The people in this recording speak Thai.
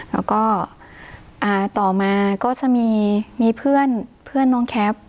แล้วก็ต่อมาก็จะมีเพื่อนน้องแคป